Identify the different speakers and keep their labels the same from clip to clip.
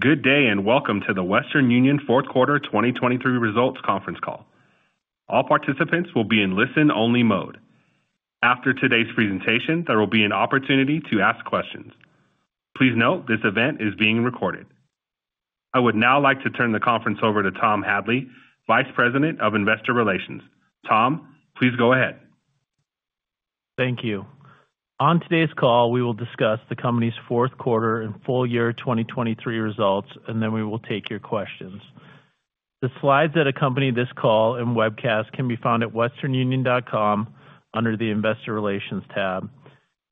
Speaker 1: Good day, and welcome to the Western Union fourth quarter 2023 results conference call. All participants will be in listen-only mode. After today's presentation, there will be an opportunity to ask questions. Please note, this event is being recorded. I would now like to turn the conference over to Tom Hadley, Vice President of Investor Relations. Tom, please go ahead.
Speaker 2: Thank you. On today's call, we will discuss the company's fourth quarter and full year 2023 results, and then we will take your questions. The slides that accompany this call and webcast can be found at westernunion.com under the Investor Relations tab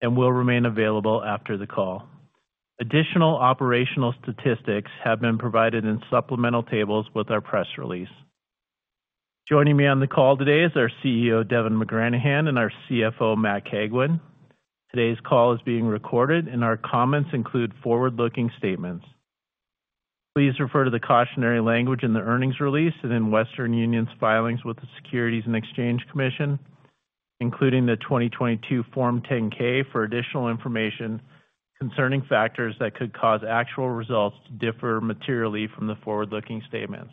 Speaker 2: and will remain available after the call. Additional operational statistics have been provided in supplemental tables with our press release. Joining me on the call today is our CEO, Devin McGranahan, and our CFO, Matt Cagwin. Today's call is being recorded, and our comments include forward-looking statements. Please refer to the cautionary language in the earnings release and in Western Union's filings with the Securities and Exchange Commission, including the 2022 Form 10-K, for additional information concerning factors that could cause actual results to differ materially from the forward-looking statements.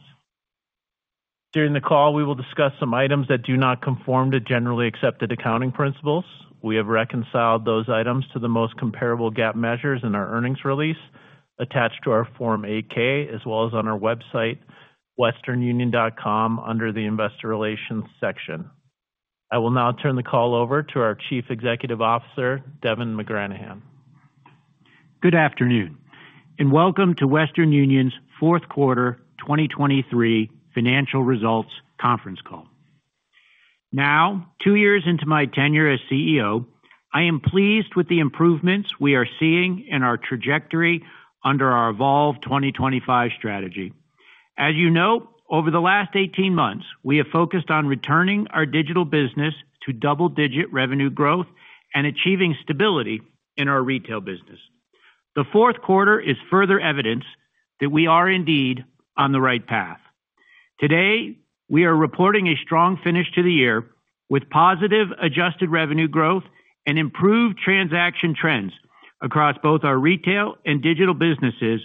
Speaker 2: During the call, we will discuss some items that do not conform to generally accepted accounting principles. We have reconciled those items to the most comparable GAAP measures in our earnings release attached to our Form 8-K, as well as on our website, westernunion.com, under the Investor Relations section. I will now turn the call over to our Chief Executive Officer, Devin McGranahan.
Speaker 3: Good afternoon, and welcome to Western Union's fourth quarter 2023 financial results conference call. Now, two years into my tenure as CEO, I am pleased with the improvements we are seeing in our trajectory under our Evolve 2025 strategy. As you know, over the last 18 months, we have focused on returning our digital business to double-digit revenue growth and achieving stability in our retail business. The fourth quarter is further evidence that we are indeed on the right path. Today, we are reporting a strong finish to the year, with positive adjusted revenue growth and improved transaction trends across both our retail and digital businesses,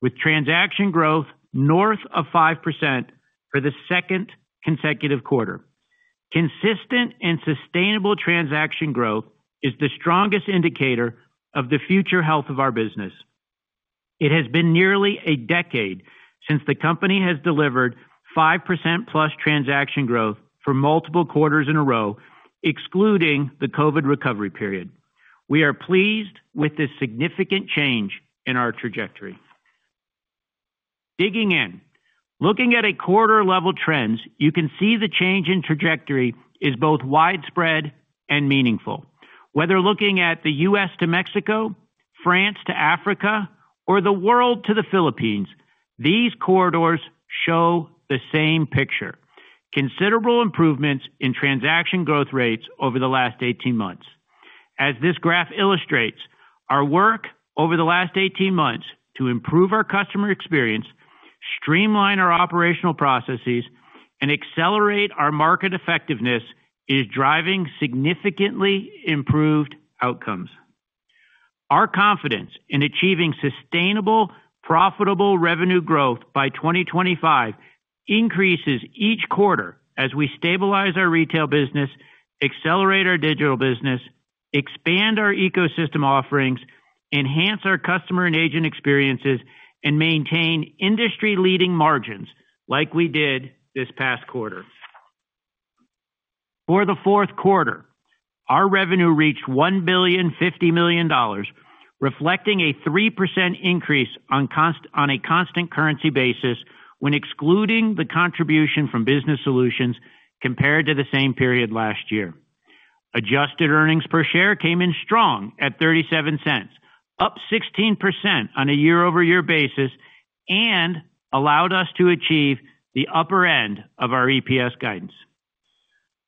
Speaker 3: with transaction growth north of 5% for the second consecutive quarter. Consistent and sustainable transaction growth is the strongest indicator of the future health of our business. It has been nearly a decade since the company has delivered 5%+ transaction growth for multiple quarters in a row, excluding the COVID recovery period. We are pleased with this significant change in our trajectory. Digging in, looking at a quarter-level trends, you can see the change in trajectory is both widespread and meaningful. Whether looking at the U.S. to Mexico, France to Africa, or the world to the Philippines, these corridors show the same picture. Considerable improvements in transaction growth rates over the last 18 months. As this graph illustrates, our work over the last 18 months to improve our customer experience, streamline our operational processes, and accelerate our market effectiveness is driving significantly improved outcomes. Our confidence in achieving sustainable, profitable revenue growth by 2025 increases each quarter as we stabilize our retail business, accelerate our digital business, expand our ecosystem offerings, enhance our customer and agent experiences, and maintain industry-leading margins like we did this past quarter. For the fourth quarter, our revenue reached $1.05 billion, reflecting a 3% increase on a constant currency basis when excluding the contribution from Business Solutions compared to the same period last year. Adjusted earnings per share came in strong at $0.37, up 16% on a year-over-year basis, and allowed us to achieve the upper end of our EPS guidance.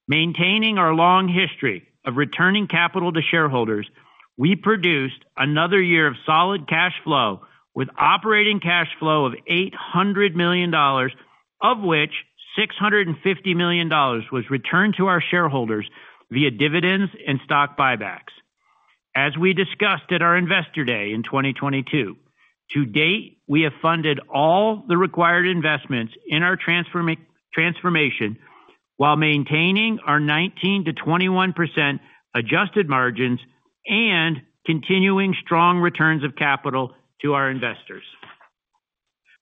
Speaker 3: Maintaining our long history of returning capital to shareholders, we produced another year of solid cash flow, with operating cash flow of $800 million, of which $650 million was returned to our shareholders via dividends and stock buybacks. As we discussed at our Investor Day in 2022, to date, we have funded all the required investments in our transformation while maintaining our 19%-21% adjusted margins and continuing strong returns of capital to our investors.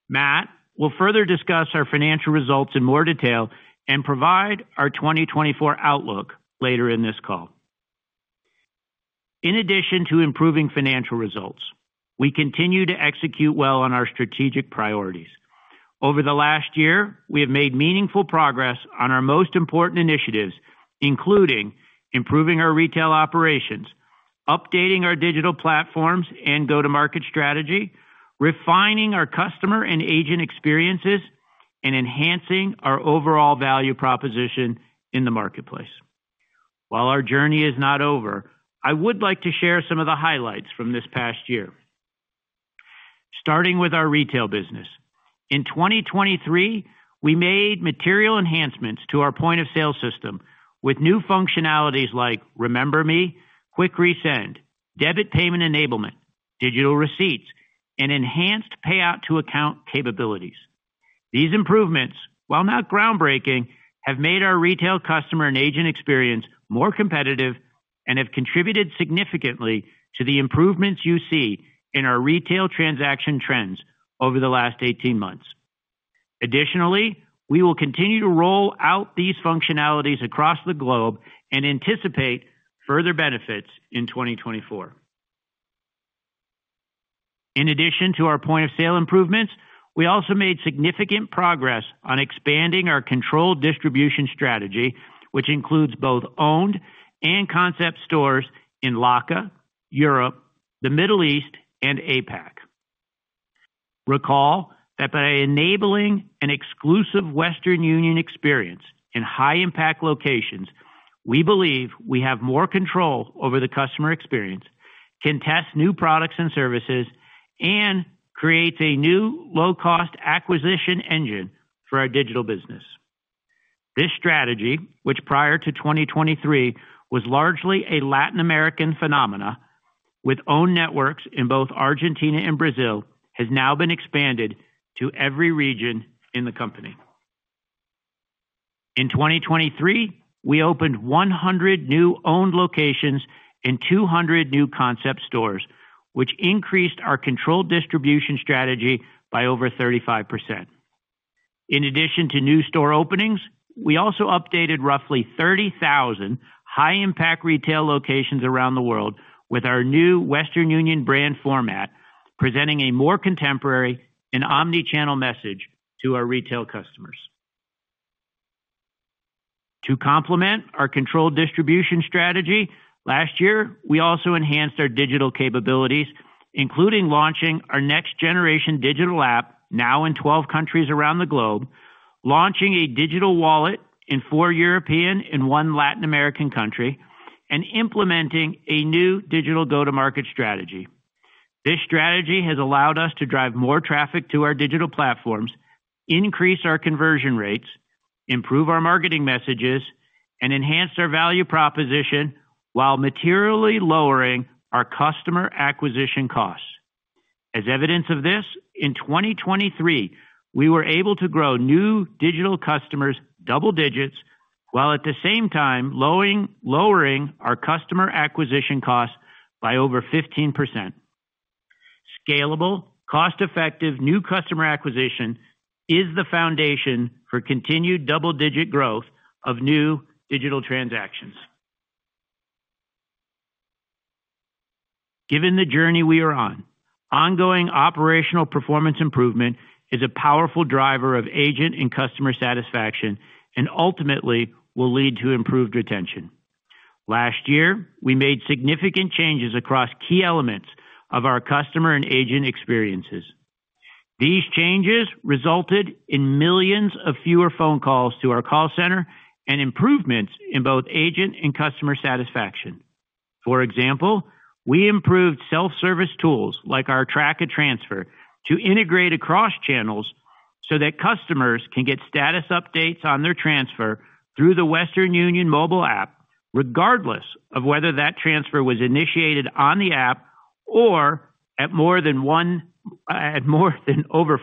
Speaker 3: Matt will further discuss our financial results in more detail and provide our 2024 outlook later in this call. In addition to improving financial results, we continue to execute well on our strategic priorities. Over the last year, we have made meaningful progress on our most important initiatives, including improving our retail operations, updating our digital platforms and go-to-market strategy, refining our customer and agent experiences, and enhancing our overall value proposition in the marketplace. While our journey is not over, I would like to share some of the highlights from this past year. Starting with our retail business... In 2023, we made material enhancements to our point-of-sale system with new functionalities like Remember Me, Quick Resend, debit payment enablement, digital receipts, and enhanced payout to account capabilities. These improvements, while not groundbreaking, have made our retail customer and agent experience more competitive and have contributed significantly to the improvements you see in our retail transaction trends over the last 18 months. Additionally, we will continue to roll out these functionalities across the globe and anticipate further benefits in 2024. In addition to our point-of-sale improvements, we also made significant progress on expanding our controlled distribution strategy, which includes both owned and concept stores in LACA, Europe, the Middle East, and APAC. Recall that by enabling an exclusive Western Union experience in high-impact locations, we believe we have more control over the customer experience, can test new products and services, and create a new low-cost acquisition engine for our digital business. This strategy, which prior to 2023, was largely a Latin American phenomenon with owned networks in both Argentina and Brazil, has now been expanded to every region in the company. In 2023, we opened 100 new owned locations and 200 new concept stores, which increased our controlled distribution strategy by over 35%. In addition to new store openings, we also updated roughly 30,000 high-impact retail locations around the world with our new Western Union brand format, presenting a more contemporary and omnichannel message to our retail customers. To complement our controlled distribution strategy, last year, we also enhanced our digital capabilities, including launching our next generation digital app, now in 12 countries around the globe, launching a digital wallet in four European and one Latin American country, and implementing a new digital go-to-market strategy. This strategy has allowed us to drive more traffic to our digital platforms, increase our conversion rates, improve our marketing messages, and enhance our value proposition while materially lowering our customer acquisition costs. As evidence of this, in 2023, we were able to grow new digital customers double digits, while at the same time lowering our customer acquisition costs by over 15%. Scalable, cost-effective, new customer acquisition is the foundation for continued double-digit growth of new digital transactions. Given the journey we are on, ongoing operational performance improvement is a powerful driver of agent and customer satisfaction and ultimately will lead to improved retention. Last year, we made significant changes across key elements of our customer and agent experiences. These changes resulted in millions of fewer phone calls to our call center and improvements in both agent and customer satisfaction. For example, we improved self-service tools like our Track a Transfer to integrate across channels so that customers can get status updates on their transfer through the Western Union mobile app, regardless of whether that transfer was initiated on the app or at more than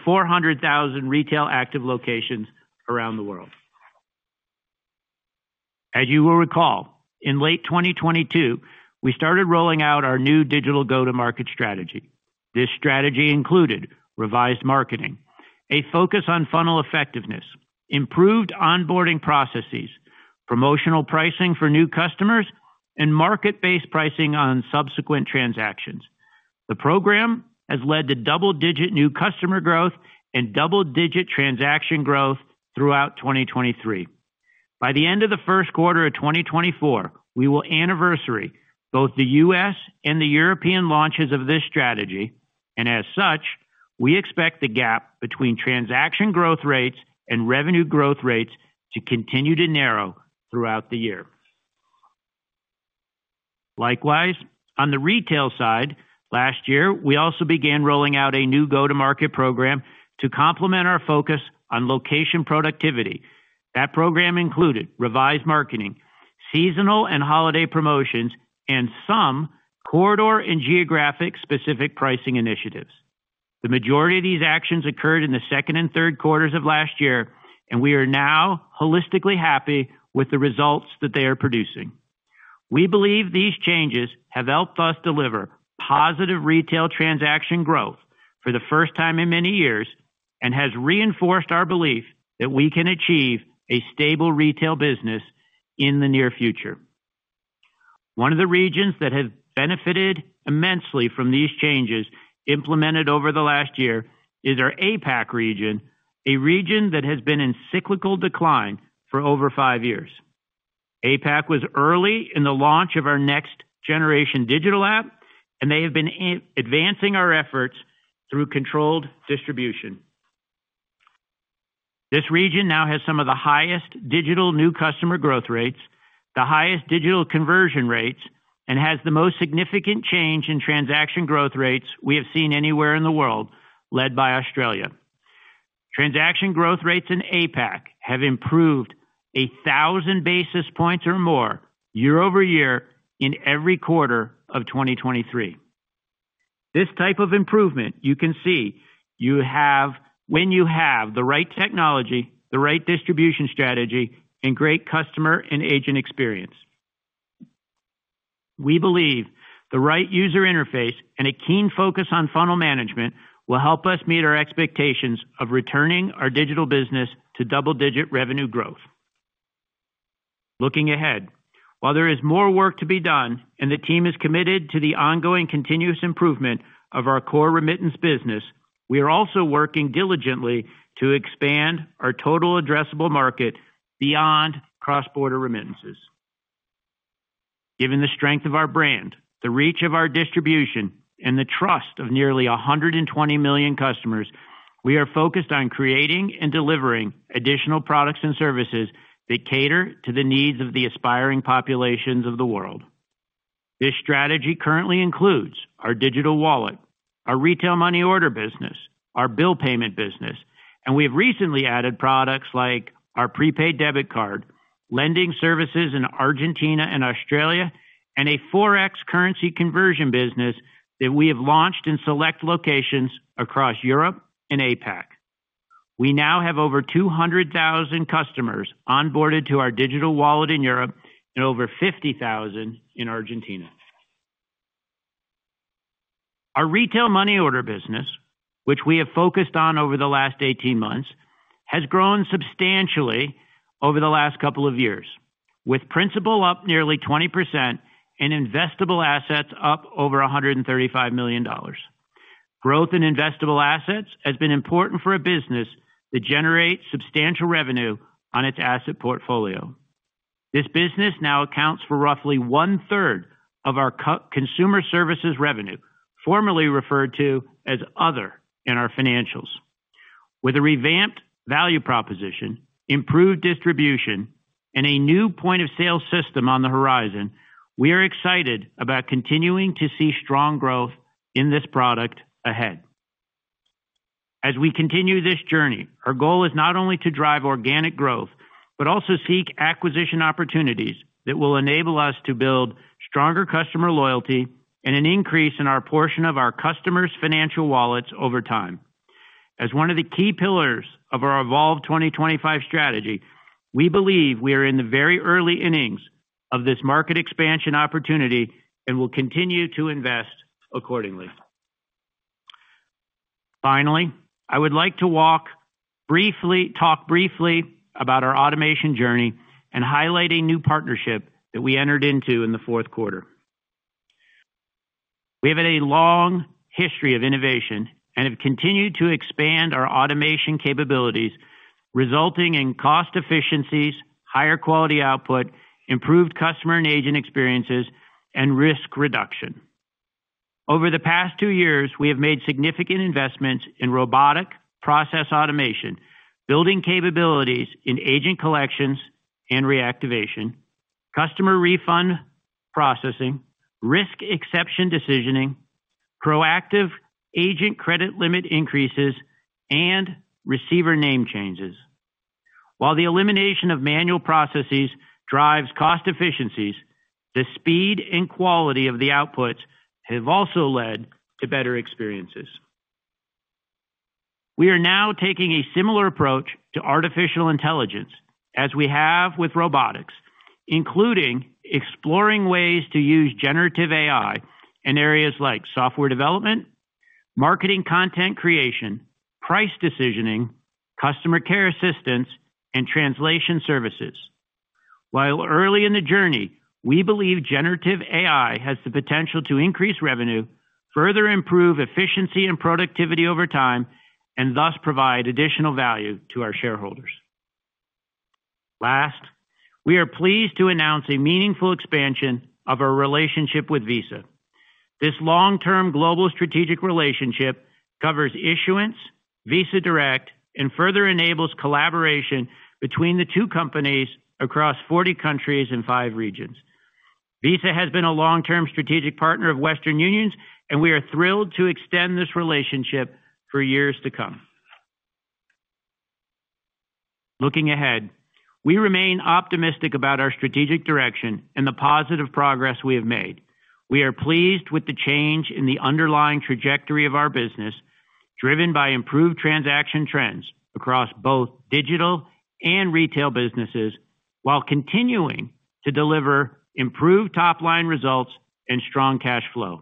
Speaker 3: 400,000 retail active locations around the world. As you will recall, in late 2022, we started rolling out our new digital go-to-market strategy. This strategy included revised marketing, a focus on funnel effectiveness, improved onboarding processes, promotional pricing for new customers, and market-based pricing on subsequent transactions. The program has led to double-digit new customer growth and double-digit transaction growth throughout 2023. By the end of the first quarter of 2024, we will anniversary both the U.S. and the European launches of this strategy, and as such, we expect the gap between transaction growth rates and revenue growth rates to continue to narrow throughout the year. Likewise, on the retail side, last year, we also began rolling out a new go-to-market program to complement our focus on location productivity. That program included revised marketing, seasonal and holiday promotions, and some corridor and geographic-specific pricing initiatives. The majority of these actions occurred in the second and third quarters of last year, and we are now holistically happy with the results that they are producing. We believe these changes have helped us deliver positive retail transaction growth for the first time in many years, and has reinforced our belief that we can achieve a stable retail business in the near future. One of the regions that have benefited immensely from these changes implemented over the last year is our APAC region, a region that has been in cyclical decline for over five years. APAC was early in the launch of our next generation digital app, and they have been advancing our efforts through controlled distribution... This region now has some of the highest digital new customer growth rates, the highest digital conversion rates, and has the most significant change in transaction growth rates we have seen anywhere in the world, led by Australia. Transaction growth rates in APAC have improved a thousand basis points or more year-over-year in every quarter of 2023. This type of improvement you can see when you have the right technology, the right distribution strategy, and great customer and agent experience. We believe the right user interface and a keen focus on funnel management will help us meet our expectations of returning our digital business to double-digit revenue growth. Looking ahead, while there is more work to be done and the team is committed to the ongoing continuous improvement of our core remittance business, we are also working diligently to expand our total addressable market beyond cross-border remittances. Given the strength of our brand, the reach of our distribution, and the trust of nearly 120 million customers, we are focused on creating and delivering additional products and services that cater to the needs of the aspiring populations of the world. This strategy currently includes our digital wallet, our retail money order business, our bill payment business, and we have recently added products like our prepaid debit card, lending services in Argentina and Australia, and a Forex currency conversion business that we have launched in select locations across Europe and APAC. We now have over 200,000 customers onboarded to our digital wallet in Europe and over 50,000 in Argentina. Our retail money order business, which we have focused on over the last 18 months, has grown substantially over the last couple of years, with principal up nearly 20% and investable assets up over $135 million. Growth in investable assets has been important for a business that generates substantial revenue on its asset portfolio. This business now accounts for roughly one-third of our Consumer Services revenue, formerly referred to as Other in our financials. With a revamped value proposition, improved distribution, and a new point-of-sale system on the horizon, we are excited about continuing to see strong growth in this product ahead. As we continue this journey, our goal is not only to drive organic growth, but also seek acquisition opportunities that will enable us to build stronger customer loyalty and an increase in our portion of our customers' financial wallets over time. As one of the key pillars of our Evolve 2025 strategy, we believe we are in the very early innings of this market expansion opportunity and will continue to invest accordingly. Finally, I would like to talk briefly about our automation journey and highlight a new partnership that we entered into in the fourth quarter. We have had a long history of innovation and have continued to expand our automation capabilities, resulting in cost efficiencies, higher quality output, improved customer and agent experiences, and risk reduction. Over the past two years, we have made significant investments in robotic process automation, building capabilities in agent collections and reactivation, customer refund processing, risk exception decisioning, proactive agent credit limit increases, and receiver name changes. While the elimination of manual processes drives cost efficiencies, the speed and quality of the outputs have also led to better experiences. We are now taking a similar approach to artificial intelligence as we have with robotics, including exploring ways to use generative AI in areas like software development, marketing content creation, price decisioning, customer care assistance, and translation services. While early in the journey, we believe generative AI has the potential to increase revenue, further improve efficiency and productivity over time, and thus provide additional value to our shareholders. Last, we are pleased to announce a meaningful expansion of our relationship with Visa. This long-term global strategic relationship covers issuance, Visa Direct, and further enables collaboration between the two companies across 40 countries and five regions. Visa has been a long-term strategic partner of Western Union's, and we are thrilled to extend this relationship for years to come. Looking ahead, we remain optimistic about our strategic direction and the positive progress we have made. We are pleased with the change in the underlying trajectory of our business, driven by improved transaction trends across both digital and retail businesses, while continuing to deliver improved top-line results and strong cash flow.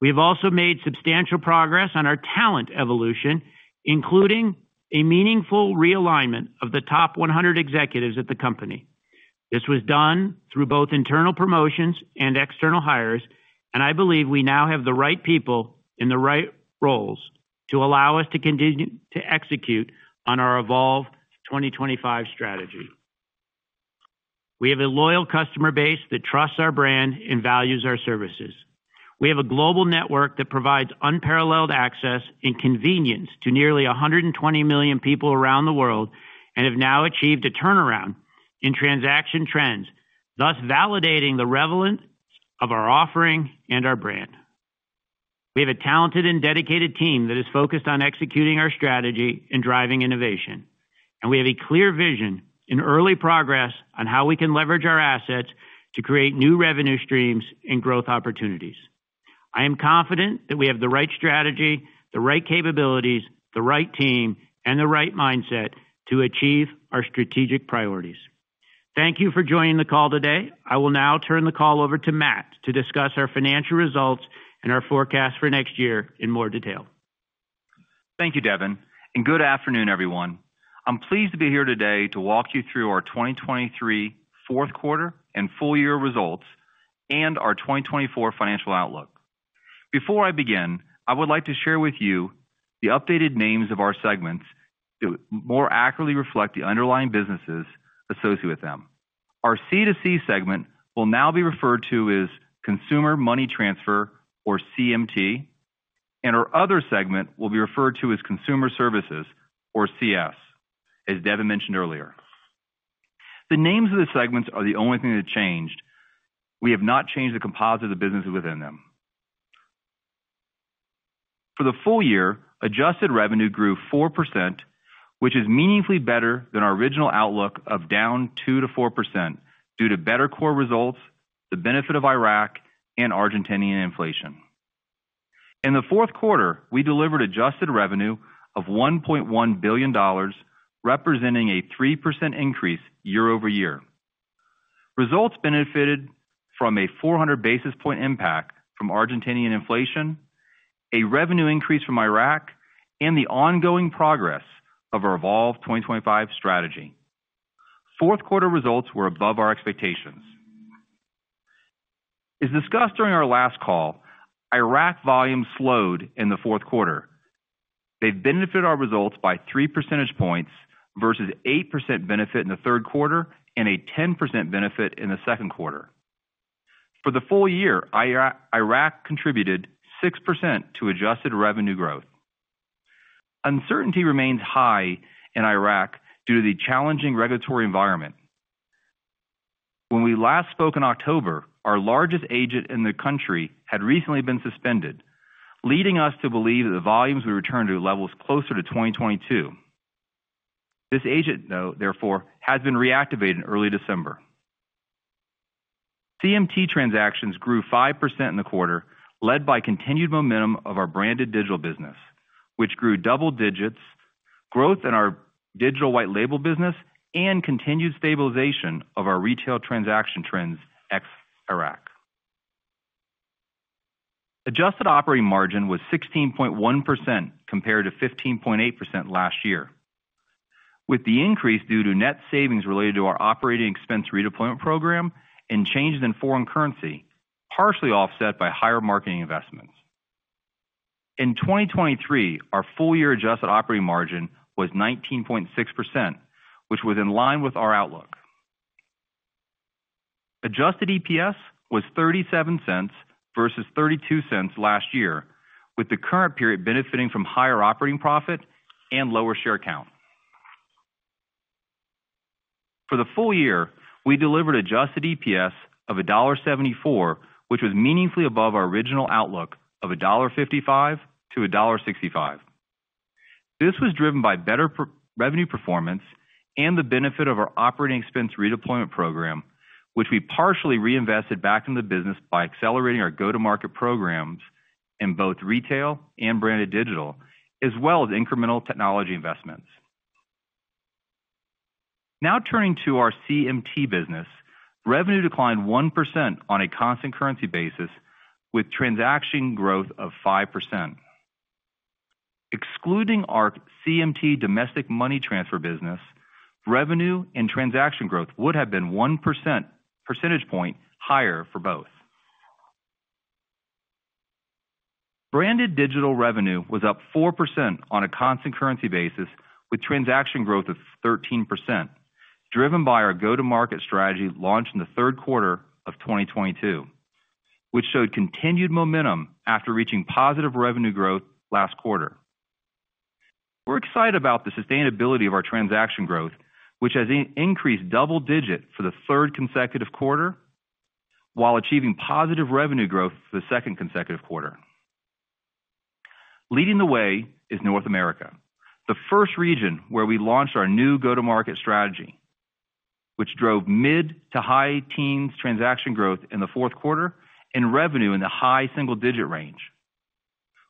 Speaker 3: We have also made substantial progress on our talent evolution, including a meaningful realignment of the top 100 executives at the company. This was done through both internal promotions and external hires, and I believe we now have the right people in the right roles to allow us to continue to execute on our Evolve 2025 strategy.... We have a loyal customer base that trusts our brand and values our services. We have a global network that provides unparalleled access and convenience to nearly 120 million people around the world, and have now achieved a turnaround in transaction trends, thus validating the relevance of our offering and our brand. We have a talented and dedicated team that is focused on executing our strategy and driving innovation, and we have a clear vision and early progress on how we can leverage our assets to create new revenue streams and growth opportunities. I am confident that we have the right strategy, the right capabilities, the right team, and the right mindset to achieve our strategic priorities. Thank you for joining the call today. I will now turn the call over to Matt to discuss our financial results and our forecast for next year in more detail.
Speaker 4: Thank you, Devin, and good afternoon, everyone. I'm pleased to be here today to walk you through our 2023 fourth quarter and full year results, and our 2024 financial outlook. Before I begin, I would like to share with you the updated names of our segments to more accurately reflect the underlying businesses associated with them. Our C2C segment will now be referred to as Consumer Money Transfer or CMT, and our other segment will be referred to as Consumer Services or CS, as Devin mentioned earlier. The names of the segments are the only thing that changed. We have not changed the composite of the businesses within them. For the full year, adjusted revenue grew 4%, which is meaningfully better than our original outlook of down 2%-4% due to better core results, the benefit of Iraq and Argentinian inflation. In the fourth quarter, we delivered adjusted revenue of $1.1 billion, representing a 3% increase year-over-year. Results benefited from a 400 basis point impact from Argentinian inflation, a revenue increase from Iraq, and the ongoing progress of our Evolve 2025 strategy. Fourth quarter results were above our expectations. As discussed during our last call, Iraq volumes slowed in the fourth quarter. They benefited our results by 3 percentage points versus 8% benefit in the third quarter and a 10% benefit in the second quarter. For the full year, Iraq contributed 6% to adjusted revenue growth. Uncertainty remains high in Iraq due to the challenging regulatory environment. When we last spoke in October, our largest agent in the country had recently been suspended, leading us to believe that the volumes would return to levels closer to 2022. This agent, though, therefore, has been reactivated in early December. CMT transactions grew 5% in the quarter, led by continued momentum of our branded digital business, which grew double digits, growth in our digital white label business, and continued stabilization of our retail transaction trends, ex Iraq. Adjusted operating margin was 16.1%, compared to 15.8% last year, with the increase due to net savings related to our operating expense redeployment program and changes in foreign currency, partially offset by higher marketing investments. In 2023, our full-year adjusted operating margin was 19.6%, which was in line with our outlook. Adjusted EPS was $0.37 versus $0.32 last year, with the current period benefiting from higher operating profit and lower share count. For the full year, we delivered adjusted EPS of $1.74, which was meaningfully above our original outlook of $1.55-$1.65. This was driven by better revenue performance and the benefit of our operating expense redeployment program, which we partially reinvested back in the business by accelerating our go-to-market programs in both retail and branded digital, as well as incremental technology investments. Now turning to our CMT business. Revenue declined 1% on a constant currency basis, with transaction growth of 5%. Excluding our CMT domestic money transfer business, revenue and transaction growth would have been 1 percentage point higher for both. Branded digital revenue was up 4% on a constant currency basis, with transaction growth of 13%, driven by our go-to-market strategy launched in the third quarter of 2022, which showed continued momentum after reaching positive revenue growth last quarter. We're excited about the sustainability of our transaction growth, which has increased double digits for the third consecutive quarter, while achieving positive revenue growth for the second consecutive quarter. Leading the way is North America, the first region where we launched our new go-to-market strategy, which drove mid to high teens transaction growth in the fourth quarter and revenue in the high single-digit range.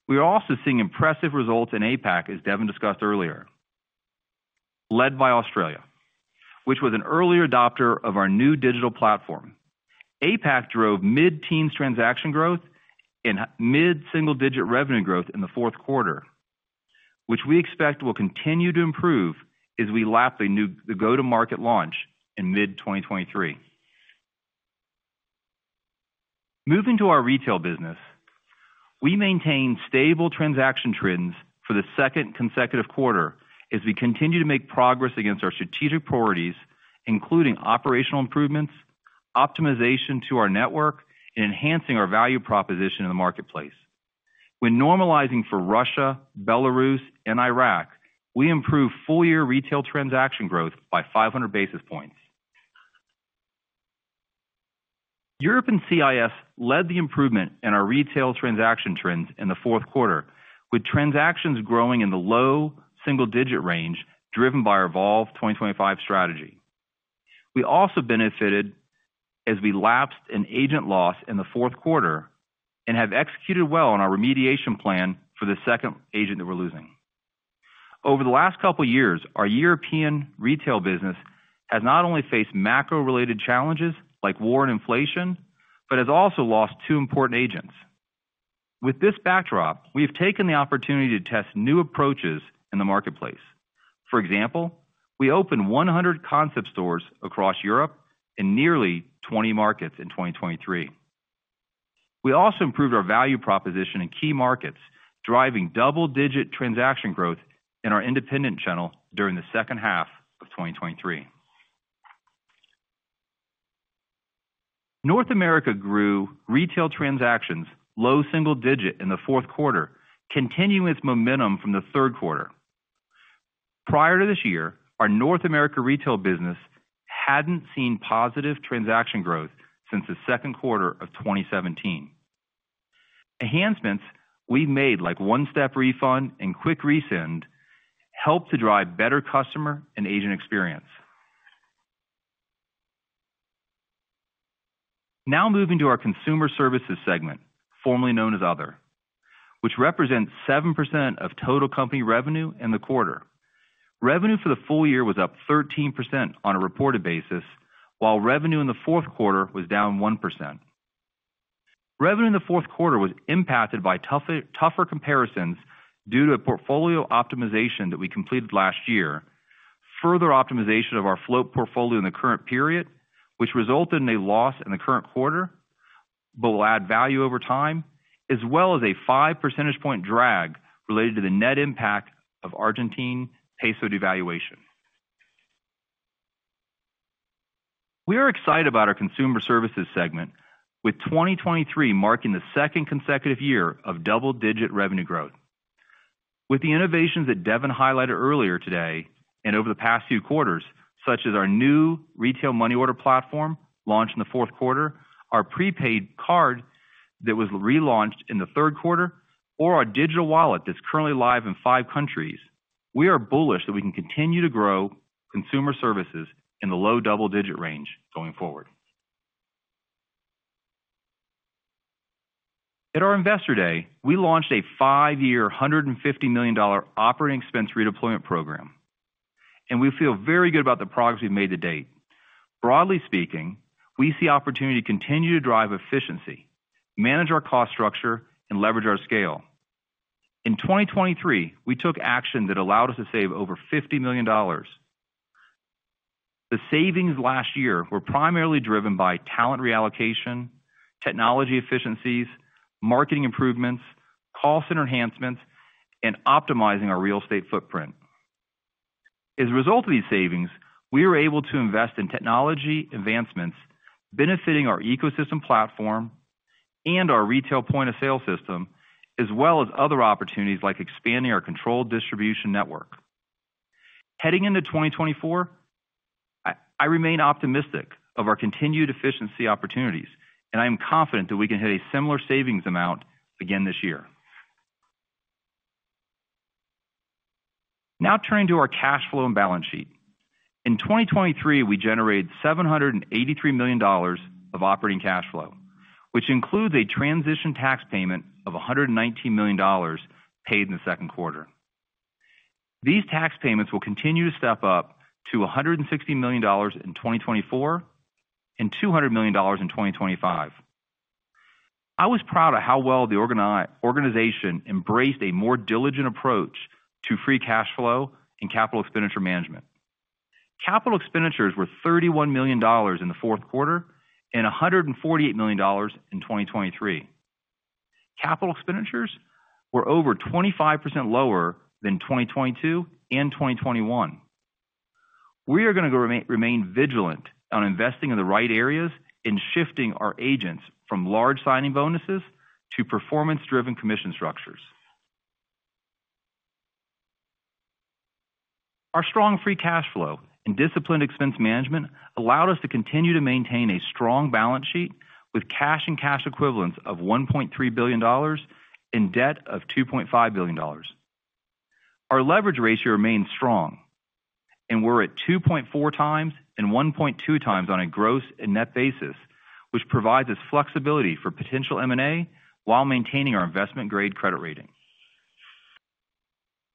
Speaker 4: We are also seeing impressive results in APAC, as Devin discussed earlier, led by Australia, which was an early adopter of our new digital platform. APAC drove mid-teens transaction growth and mid-single-digit revenue growth in the fourth quarter, which we expect will continue to improve as we lap the go-to-market launch in mid-2023. Moving to our retail business. We maintained stable transaction trends for the second consecutive quarter as we continue to make progress against our strategic priorities, including operational improvements, optimization to our network, and enhancing our value proposition in the marketplace. When normalizing for Russia, Belarus, and Iraq, we improved full-year retail transaction growth by 500 basis points. Europe and CIS led the improvement in our retail transaction trends in the fourth quarter, with transactions growing in the low double-digit range, driven by our Evolve 2025 strategy. We also benefited as we lapsed an agent loss in the fourth quarter and have executed well on our remediation plan for the second agent that we're losing. Over the last couple of years, our European retail business has not only faced macro-related challenges like war and inflation, but has also lost two important agents. With this backdrop, we have taken the opportunity to test new approaches in the marketplace. For example, we opened 100 concept stores across Europe in nearly 20 markets in 2023. We also improved our value proposition in key markets, driving double-digit transaction growth in our independent channel during the second half of 2023. North America grew retail transactions low single-digit in the fourth quarter, continuing its momentum from the third quarter. Prior to this year, our North America retail business hadn't seen positive transaction growth since the second quarter of 2017. Enhancements we made, like One-Step Refund and Quick Resend, helped to drive better customer and agent experience. Now moving to our Consumer Services segment, formerly known as other, which represents 7% of total company revenue in the quarter. Revenue for the full year was up 13% on a reported basis, while revenue in the fourth quarter was down 1%. Revenue in the fourth quarter was impacted by tougher comparisons due to a portfolio optimization that we completed last year. Further optimization of our float portfolio in the current period, which resulted in a loss in the current quarter but will add value over time, as well as a 5 percentage points drag related to the net impact of Argentine peso devaluation. We are excited about our consumer services segment, with 2023 marking the second consecutive year of double-digit revenue growth. With the innovations that Devin highlighted earlier today and over the past few quarters, such as our new retail money order platform, launched in the fourth quarter, our prepaid card that was relaunched in the third quarter, or our digital wallet that's currently live in five countries, we are bullish that we can continue to grow consumer services in the low double-digit range going forward. At our Investor Day, we launched a five-year, $150 million operating expense redeployment program, and we feel very good about the progress we've made to date. Broadly speaking, we see opportunity to continue to drive efficiency, manage our cost structure and leverage our scale. In 2023, we took action that allowed us to save over $50 million. The savings last year were primarily driven by talent reallocation, technology efficiencies, marketing improvements, call center enhancements, and optimizing our real estate footprint. As a result of these savings, we were able to invest in technology advancements benefiting our ecosystem platform and our retail point-of-sale system, as well as other opportunities like expanding our controlled distribution network. Heading into 2024, I remain optimistic of our continued efficiency opportunities, and I am confident that we can hit a similar savings amount again this year. Now turning to our cash flow and balance sheet. In 2023, we generated $783 million of operating cash flow, which includes a transition tax payment of $119 million paid in the second quarter. These tax payments will continue to step up to $160 million in 2024 and $200 million in 2025. I was proud of how well the organization embraced a more diligent approach to free cash flow and capital expenditure management. Capital expenditures were $31 million in the fourth quarter and $148 million in 2023. Capital expenditures were over 25% lower than 2022 and 2021. We are going to remain vigilant on investing in the right areas and shifting our agents from large signing bonuses to performance-driven commission structures. Our strong free cash flow and disciplined expense management allowed us to continue to maintain a strong balance sheet with cash and cash equivalents of $1.3 billion and debt of $2.5 billion. Our leverage ratio remains strong and we're at 2.4x and 1.2x on a gross and net basis, which provides us flexibility for potential M&A while maintaining our investment-grade credit rating.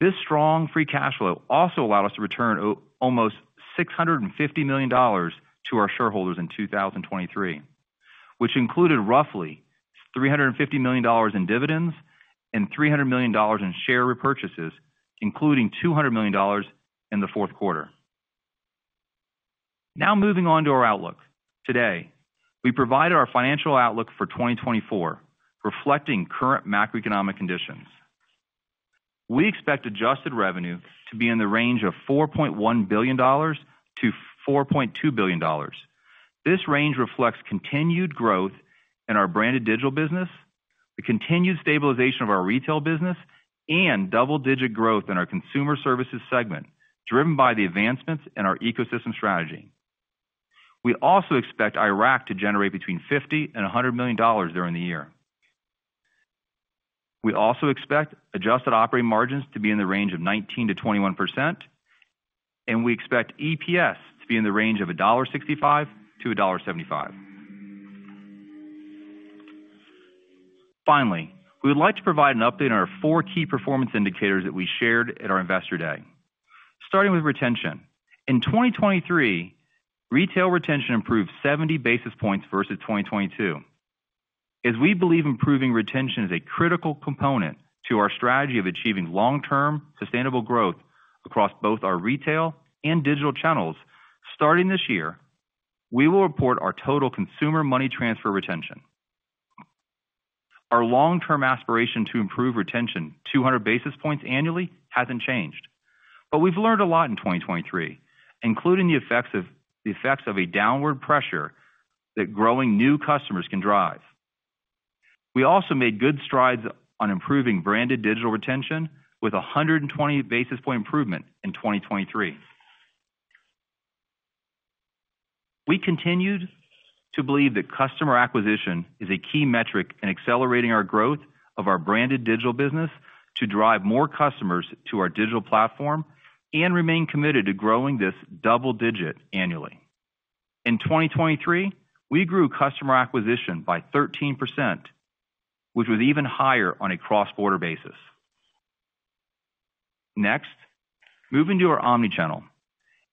Speaker 4: This strong free cash flow also allowed us to return almost $650 million to our shareholders in 2023, which included roughly $350 million in dividends and $300 million in share repurchases, including $200 million in the fourth quarter. Now moving on to our outlook. Today, we provide our financial outlook for 2024, reflecting current macroeconomic conditions. We expect adjusted revenue to be in the range of $4.1 billion-$4.2 billion. This range reflects continued growth in our branded digital business, the continued stabilization of our retail business, and double-digit growth in our consumer services segment, driven by the advancements in our ecosystem strategy. We also expect Iraq to generate between $50 million and $100 million during the year. We also expect adjusted operating margins to be in the range of 19%-21%, and we expect EPS to be in the range of $1.65-$1.75. Finally, we would like to provide an update on our four key performance indicators that we shared at our Investor Day. Starting with retention. In 2023, retail retention improved 70 basis points versus 2022. As we believe improving retention is a critical component to our strategy of achieving long-term sustainable growth across both our retail and digital channels, starting this year, we will report our total Consumer Money Transfer retention. Our long-term aspiration to improve retention 200 basis points annually hasn't changed, but we've learned a lot in 2023, including the effects of a downward pressure that growing new customers can drive. We also made good strides on improving branded digital retention with a 120 basis point improvement in 2023. We continued to believe that customer acquisition is a key metric in accelerating our growth of our branded digital business to drive more customers to our digital platform and remain committed to growing this double digit annually. In 2023, we grew customer acquisition by 13%, which was even higher on a cross-border basis. Next, moving to our omni-channel.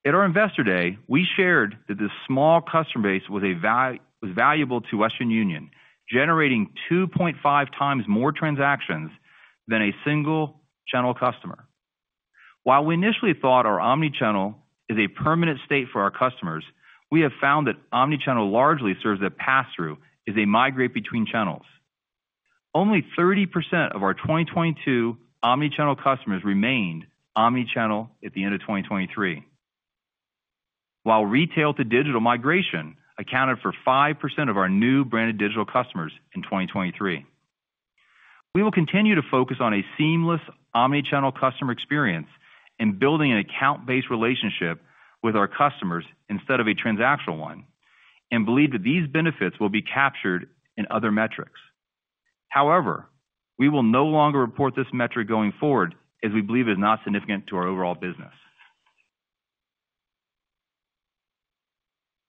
Speaker 4: At our Investor Day, we shared that this small customer base was a was valuable to Western Union, generating 2.5x more transactions than a single-channel customer. While we initially thought our omni-channel is a permanent state for our customers, we have found that omni-channel largely serves as a pass-through as they migrate between channels. Only 30% of our 2022 omni-channel customers remained omni-channel at the end of 2023. While retail to digital migration accounted for 5% of our new branded digital customers in 2023. We will continue to focus on a seamless omni-channel customer experience in building an account-based relationship with our customers instead of a transactional one, and believe that these benefits will be captured in other metrics. However, we will no longer report this metric going forward, as we believe it's not significant to our overall business.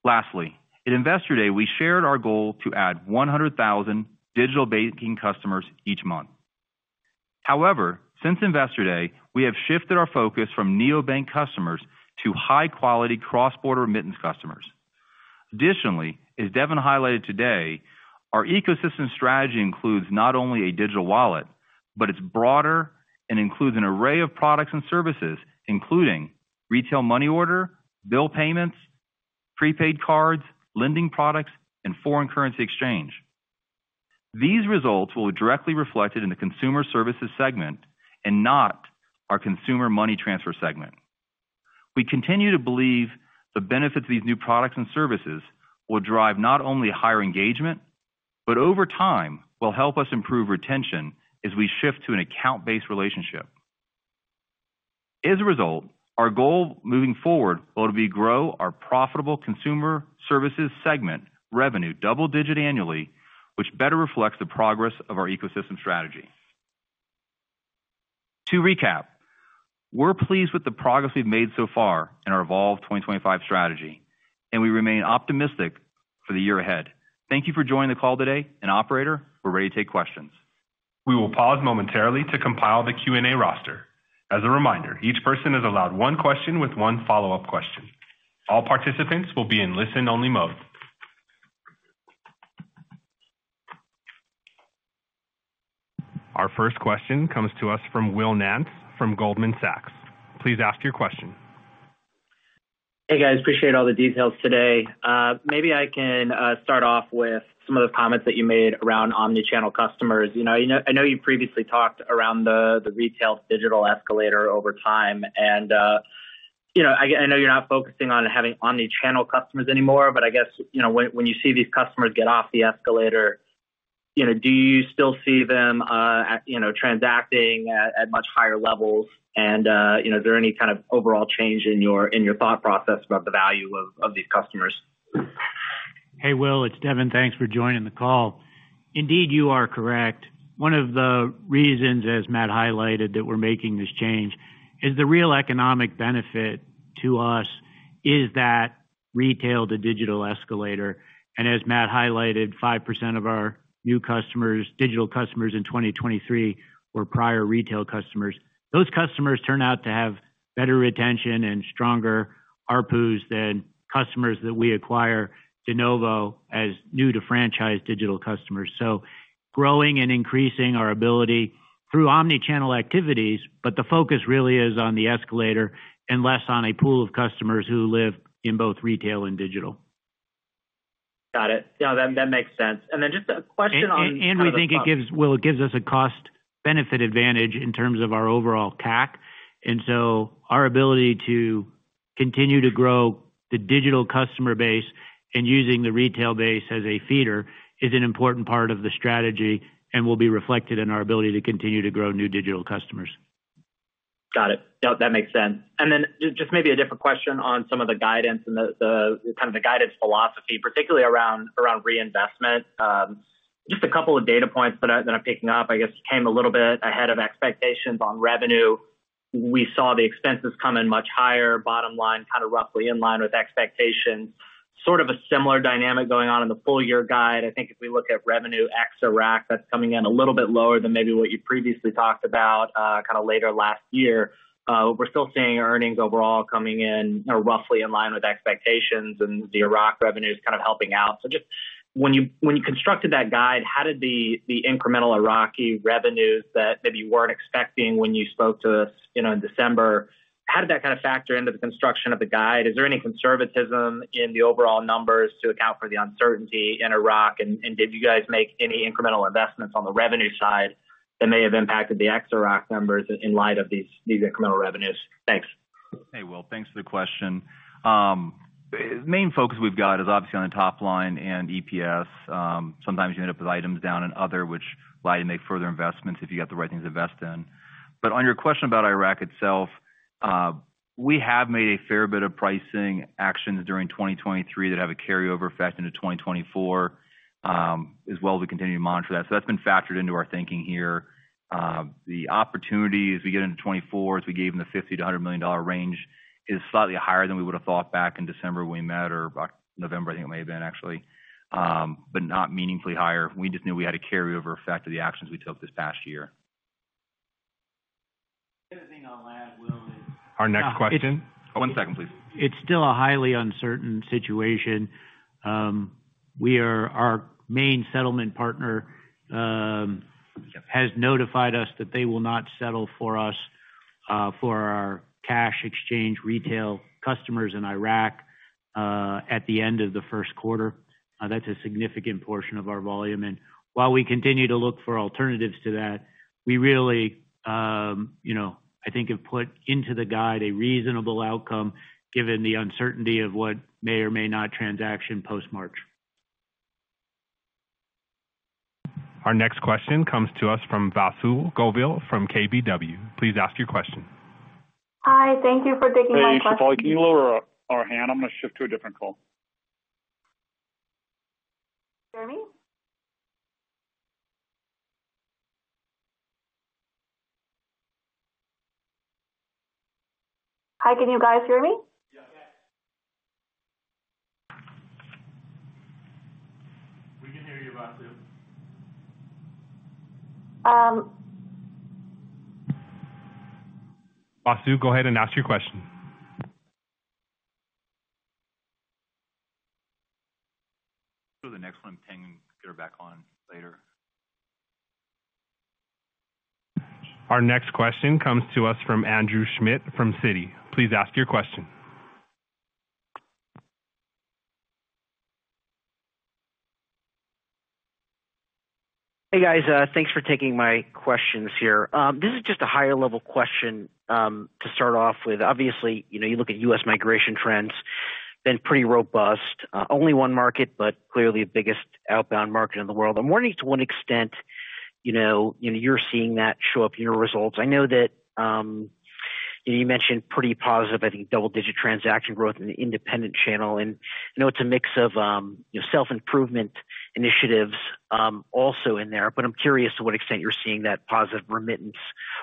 Speaker 4: Lastly, at Investor Day, we shared our goal to add 100,000 digital banking customers each month. However, since Investor Day, we have shifted our focus from neobank customers to high-quality cross-border remittance customers. Additionally, as Devin highlighted today, our ecosystem strategy includes not only a digital wallet, but it's broader and includes an array of products and services, including retail money order, bill payments, prepaid cards, lending products, and foreign currency exchange. These results will be directly reflected in the consumer services segment and not our consumer money transfer segment. We continue to believe the benefits of these new products and services will drive not only higher engagement, but over time, will help us improve retention as we shift to an account-based relationship. As a result, our goal moving forward will be to grow our profitable Consumer Services segment revenue double-digit annually, which better reflects the progress of our ecosystem strategy. To recap, we're pleased with the progress we've made so far in our Evolve 2025 strategy, and we remain optimistic for the year ahead. Thank you for joining the call today, and operator, we're ready to take questions.
Speaker 1: We will pause momentarily to compile the Q&A roster. As a reminder, each person is allowed one question with one follow-up question. All participants will be in listen-only mode. Our first question comes to us from Will Nance from Goldman Sachs. Please ask your question.
Speaker 5: Hey, guys, appreciate all the details today. Maybe I can start off with some of the comments that you made around omni-channel customers. You know, I know you previously talked around the, the retail digital escalator over time and, you know, I know you're not focusing on having omni-channel customers anymore, but I guess, you know, when, when you see these customers get off the escalator, you know, do you still see them, you know, transacting at, at much higher levels? And, you know, is there any kind of overall change in your, in your thought process about the value of, of these customers?
Speaker 3: Hey, Will, it's Devin. Thanks for joining the call. Indeed, you are correct. One of the reasons, as Matt highlighted, that we're making this change, is the real economic benefit to us is that retail to digital escalator. As Matt highlighted, 5% of our new customers, digital customers in 2023, were prior retail customers. Those customers turn out to have better retention and stronger ARPU's than customers that we acquire de novo as new to franchise digital customers. So-... growing and increasing our ability through omni-channel activities, but the focus really is on the escalator and less on a pool of customers who live in both retail and digital.
Speaker 5: Got it. Yeah, that makes sense. And then just a question on-
Speaker 3: And we think it gives, well, it gives us a cost benefit advantage in terms of our overall CAC. And so our ability to continue to grow the digital customer base and using the retail base as a feeder is an important part of the strategy and will be reflected in our ability to continue to grow new digital customers.
Speaker 5: Got it. No, that makes sense. Then just maybe a different question on some of the guidance and the kind of guidance philosophy, particularly around reinvestment. Just a couple of data points that I'm picking up, I guess, came a little bit ahead of expectations on revenue. We saw the expenses come in much higher, bottom line, kind of roughly in line with expectations. Sort of a similar dynamic going on in the full year guide. I think if we look at revenue ex Iraq, that's coming in a little bit lower than maybe what you previously talked about, kind of later last year. We're still seeing earnings overall coming in, or roughly in line with expectations, and the Iraq revenue is kind of helping out. So just when you constructed that guide, how did the incremental Iraqi revenues that maybe you weren't expecting when you spoke to us, you know, in December, how did that kind of factor into the construction of the guide? Is there any conservatism in the overall numbers to account for the uncertainty in Iraq? And did you guys make any incremental investments on the revenue side that may have impacted the ex Iraq numbers in light of these incremental revenues? Thanks.
Speaker 4: Hey, Will, thanks for the question. Main focus we've got is obviously on the top line and EPS. Sometimes you end up with items down and other which allow you to make further investments if you got the right things to invest in. But on your question about Iraq itself, we have made a fair bit of pricing actions during 2023 that have a carryover effect into 2024, as well as we continue to monitor that. So that's been factored into our thinking here. The opportunity as we get into 2024, as we gave them the $50-$100 million range, is slightly higher than we would have thought back in December when we met, or November, I think it may have been actually, but not meaningfully higher. We just knew we had a carryover effect of the actions we took this past year.
Speaker 3: The other thing I'll add, Will, is-
Speaker 1: Our next question? One second, please.
Speaker 3: It's still a highly uncertain situation. Our main settlement partner has notified us that they will not settle for us for our cash exchange retail customers in Iraq at the end of the first quarter. That's a significant portion of our volume. And while we continue to look for alternatives to that, we really, you know, I think, have put into the guide a reasonable outcome given the uncertainty of what may or may not transaction post-March.
Speaker 1: Our next question comes to us from Vasu Govil from KBW. Please ask your question.
Speaker 6: Hi, thank you for taking my question.
Speaker 1: Hey, Shibal, can you lower our hand? I'm going to shift to a different call.
Speaker 6: Hear me? Hi, can you guys hear me?
Speaker 4: Yeah. We can hear you, Vasu.
Speaker 1: Vasu, go ahead and ask your question.
Speaker 4: Go to the next one, Ping, and get her back on later.
Speaker 1: Our next question comes to us from Andrew Schmidt from Citi. Please ask your question.
Speaker 7: Hey, guys, thanks for taking my questions here. This is just a higher level question, to start off with. Obviously, you know, you look at U.S. migration trends, been pretty robust. Only one market, but clearly the biggest outbound market in the world. I'm wondering to what extent, you know, you're seeing that show up in your results. I know that, you mentioned pretty positive, I think, double-digit transaction growth in the independent channel, and I know it's a mix of, you know, self-improvement initiatives, also in there, but I'm curious to what extent you're seeing that positive remittance,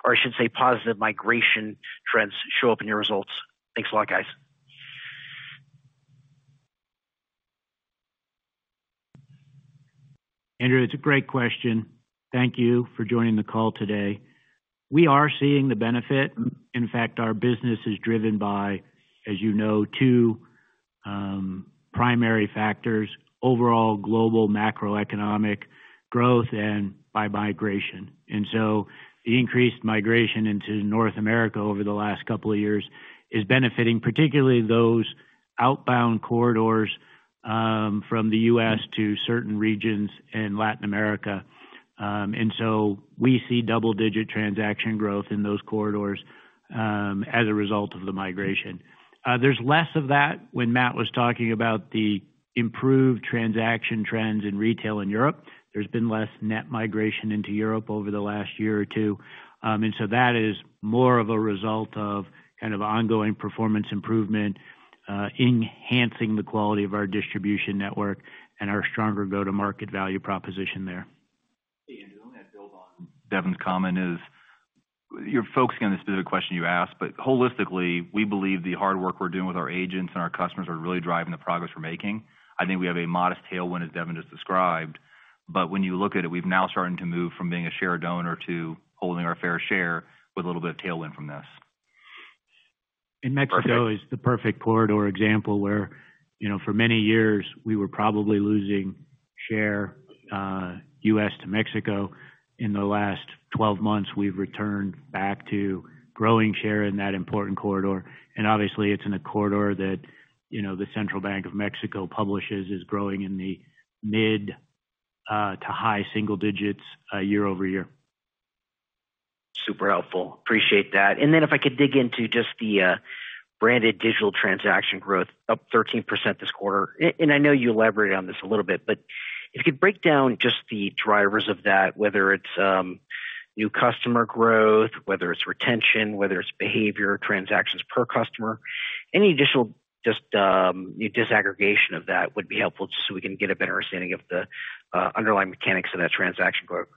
Speaker 7: or I should say, positive migration trends show up in your results. Thanks a lot, guys.
Speaker 3: Andrew, it's a great question. Thank you for joining the call today. We are seeing the benefit. In fact, our business is driven by, as you know, two primary factors: overall global macroeconomic growth and by migration. So the increased migration into North America over the last couple of years is benefiting, particularly those outbound corridors, from the U.S. to certain regions in Latin America. And so we see double-digit transaction growth in those corridors, as a result of the migration. There's less of that when Matt was talking about the improved transaction trends in retail in Europe. There's been less net migration into Europe over the last year or two. And so that is more of a result of kind of ongoing performance improvement, enhancing the quality of our distribution network and our stronger go-to-market value proposition there.
Speaker 4: Hey, Andrew, let me build on Devin's comment is. You're focusing on the specific question you asked, but holistically, we believe the hard work we're doing with our agents and our customers are really driving the progress we're making. I think we have a modest tailwind, as Devin just described, but when you look at it, we've now starting to move from being a share donor to holding our fair share with a little bit of tailwind from this....
Speaker 3: Mexico is the perfect corridor example where, you know, for many years, we were probably losing share, U.S. to Mexico. In the last 12 months, we've returned back to growing share in that important corridor, and obviously, it's in a corridor that, you know, the Central Bank of Mexico publishes is growing in the mid- to high-single digits, year-over-year.
Speaker 7: Super helpful. Appreciate that. And then if I could dig into just the branded digital transaction growth, up 13% this quarter. And I know you elaborated on this a little bit, but if you could break down just the drivers of that, whether it's new customer growth, whether it's retention, whether it's behavior, transactions per customer. Any additional just disaggregation of that would be helpful, just so we can get a better understanding of the underlying mechanics of that transaction growth.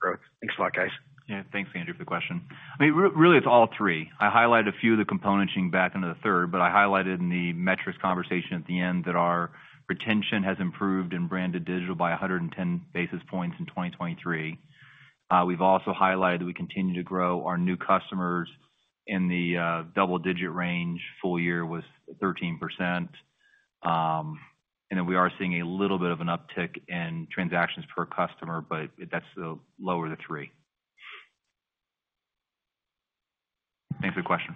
Speaker 7: Thanks a lot, guys.
Speaker 4: Yeah. Thanks, Andrew, for the question. I mean, really, it's all three. I highlighted a few of the components back in the third, but I highlighted in the metrics conversation at the end, that our retention has improved in branded digital by 110 basis points in 2023. We've also highlighted we continue to grow our new customers in the double-digit range. Full year was 13%. And then we are seeing a little bit of an uptick in transactions per customer, but that's the lowest of the three. Thanks for the question.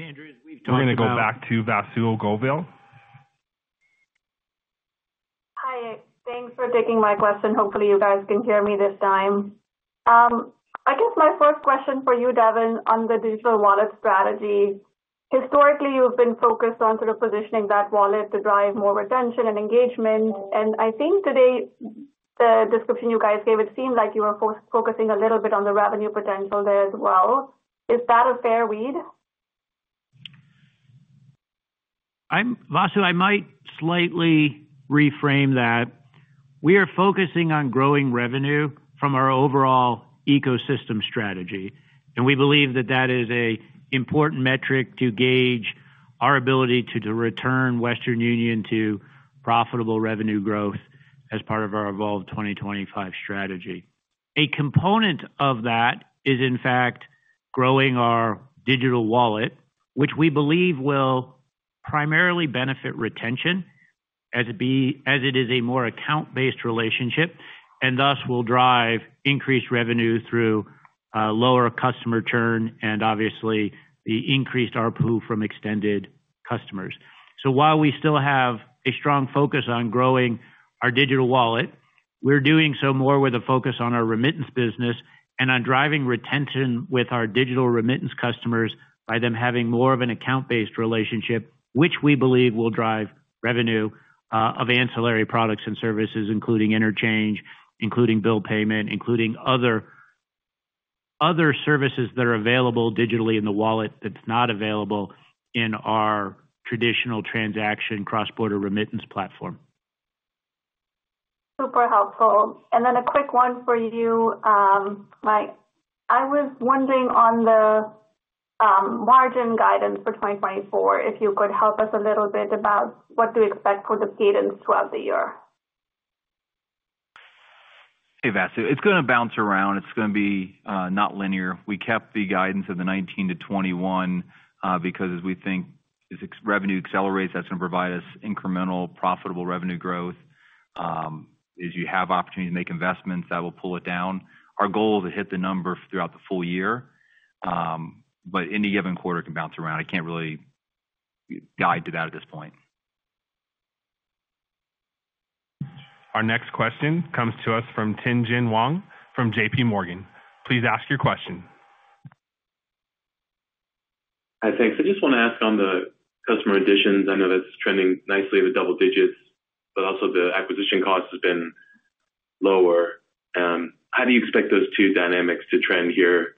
Speaker 3: Andrew, as we've talked about-
Speaker 1: We're going to go back to Vasu Govil.
Speaker 6: Hi, thanks for taking my question. Hopefully, you guys can hear me this time. I guess my first question for you, Devin, on the digital wallet strategy. Historically, you've been focused on sort of positioning that wallet to drive more retention and engagement, and I think today, the description you guys gave, it seemed like you were focusing a little bit on the revenue potential there as well. Is that a fair read?
Speaker 3: Vasu, I might slightly reframe that. We are focusing on growing revenue from our overall ecosystem strategy, and we believe that that is a important metric to gauge our ability to return Western Union to profitable revenue growth as part of our Evolve 2025 strategy. A component of that is, in fact, growing our digital wallet, which we believe will primarily benefit retention as it is a more account-based relationship, and thus will drive increased revenue through lower customer churn and obviously the increased ARPU from extended customers. So while we still have a strong focus on growing our digital wallet, we're doing so more with a focus on our remittance business and on driving retention with our digital remittance customers by them having more of an account-based relationship. Which we believe will drive revenue of ancillary products and services, including interchange, including bill payment, including other, other services that are available digitally in the wallet that's not available in our traditional transaction cross-border remittance platform.
Speaker 6: Super helpful. And then a quick one for you, Mike. I was wondering on the margin guidance for 2024, if you could help us a little bit about what to expect for the cadence throughout the year.
Speaker 4: Hey, Vasu. It's going to bounce around. It's going to be not linear. We kept the guidance of the 19-21 because we think as FX revenue accelerates, that's going to provide us incremental, profitable revenue growth. As you have opportunity to make investments, that will pull it down. Our goal is to hit the number throughout the full year, but any given quarter can bounce around. I can't really guide to that at this point.
Speaker 1: Our next question comes to us from Tien-Tsin Huang from JP Morgan. Please ask your question.
Speaker 8: Hi, thanks. I just want to ask on the customer additions, I know that's trending nicely with double digits, but also the acquisition cost has been lower. How do you expect those two dynamics to trend here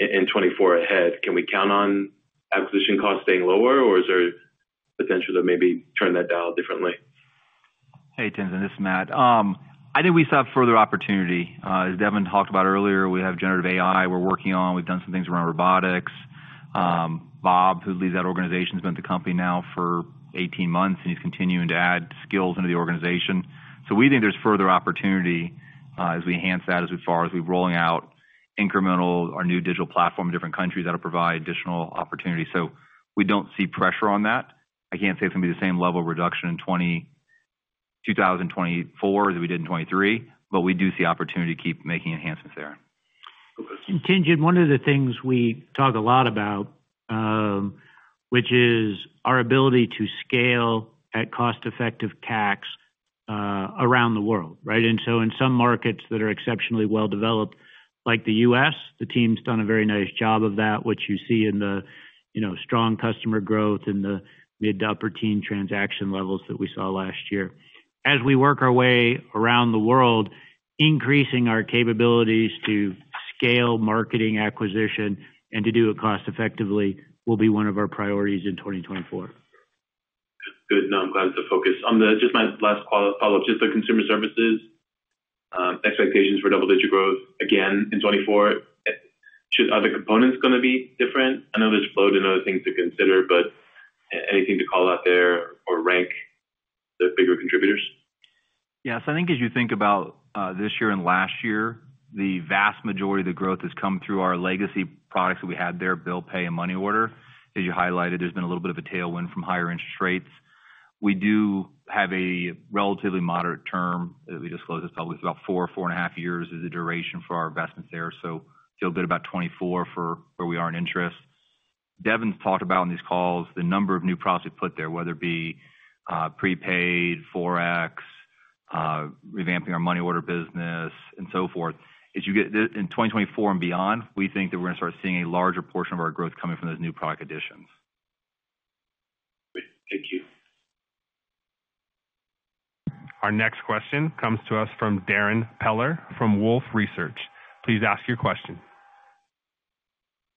Speaker 8: in 2024 ahead? Can we count on acquisition costs staying lower, or is there potential to maybe turn that dial differently?
Speaker 4: Hey, Tien-Tsin, this is Matt. I think we saw further opportunity. As Devin talked about earlier, we have generative AI we're working on. We've done some things around robotics. Bob, who leads that organization, has been with the company now for 18 months, and he's continuing to add skills into the organization. So we think there's further opportunity, as we enhance that, as far as we're rolling out incremental, our new digital platform in different countries, that'll provide additional opportunities. So we don't see pressure on that. I can't say it's going to be the same level of reduction in 2024 as we did in 2023, but we do see opportunity to keep making enhancements there.
Speaker 3: Tien-Tsin, one of the things we talk a lot about, which is our ability to scale at cost-effective CAC, around the world, right? So in some markets that are exceptionally well-developed, like the U.S., the team's done a very nice job of that, which you see in the, you know, strong customer growth and the mid-double teen transaction levels that we saw last year. As we work our way around the world, increasing our capabilities to scale marketing acquisition and to do it cost-effectively will be one of our priorities in 2024.
Speaker 8: Good. Now, I'm glad it's a focus. Just my last follow-up, just for Consumer Services, expectations for double-digit growth again in 2024. Should other components going to be different? I know there's flow and other things to consider, but anything to call out there or rank the bigger contributors?...
Speaker 4: Yes, I think as you think about this year and last year, the vast majority of the growth has come through our legacy products that we had there, bill pay and money order. As you highlighted, there's been a little bit of a tailwind from higher interest rates. We do have a relatively moderate term that we disclose this, probably about four-4.5 years is the duration for our investments there. So feel good about 2024 for where we are in interest. Devin's talked about on these calls, the number of new products we put there, whether it be prepaid, Forex, revamping our money order business, and so forth. As you get in 2024 and beyond, we think that we're going to start seeing a larger portion of our growth coming from those new product additions.
Speaker 8: Great. Thank you.
Speaker 1: Our next question comes to us from Darrin Peller from Wolfe Research. Please ask your question.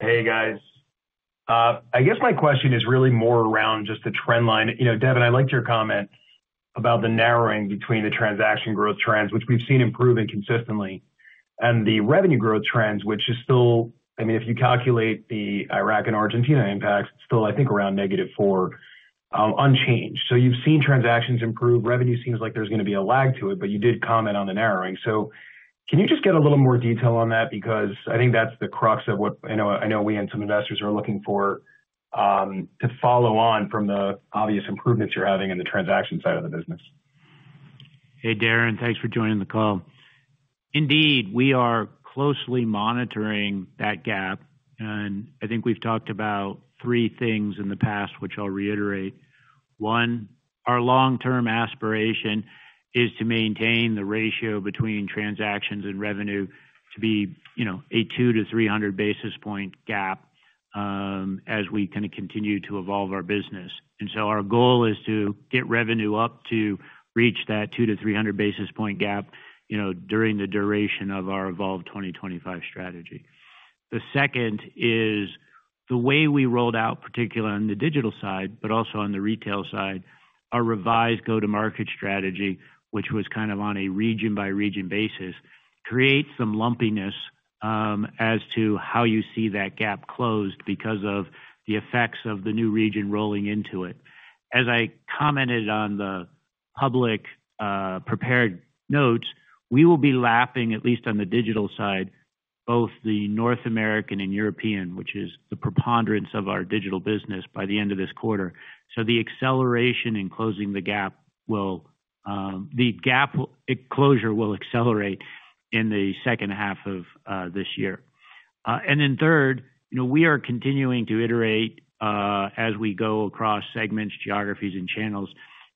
Speaker 9: Hey, guys. I guess my question is really more around just the trend line. You know, Devin, I liked your comment about the narrowing between the transaction growth trends, which we've seen improving consistently, and the revenue growth trends, which is still... I mean, if you calculate the Iraq and Argentina impacts, still, I think, around negative four, unchanged. So you've seen transactions improve. Revenue seems like there's going to be a lag to it, but you did comment on the narrowing. So can you just get a little more detail on that? Because I think that's the crux of what I know, I know we and some investors are looking for, to follow on from the obvious improvements you're having in the transaction side of the business.
Speaker 3: Hey, Darrin, thanks for joining the call. Indeed, we are closely monitoring that gap, and I think we've talked about three things in the past, which I'll reiterate. One, our long-term aspiration is to maintain the ratio between transactions and revenue to be, you know, a 200-300 basis point gap as we kind of continue to evolve our business. And so our goal is to get revenue up to reach that 200-300 basis point gap, you know, during the duration of our Evolve 2025 strategy. The second is the way we rolled out, particularly on the digital side, but also on the retail side, our revised go-to-market strategy, which was kind of on a region-by-region basis, creates some lumpiness as to how you see that gap closed because of the effects of the new region rolling into it. As I commented on the public, prepared notes, we will be lapping, at least on the digital side, both the North American and European, which is the preponderance of our digital business, by the end of this quarter. So the acceleration in closing the gap will, the gap closure will accelerate in the second half of this year. And then third, you know, we are continuing to iterate, as we go across segments, geographies, and channels.